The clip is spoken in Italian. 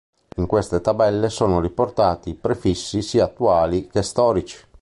In queste tabelle sono riportati i prefissi sia attuali che storici.